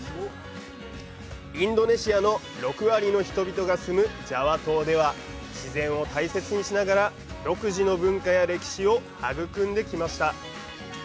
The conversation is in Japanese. インドネシアの６割の人々が住むジャワ島では自然を大切にしながら独自の文化や歴史を育んできました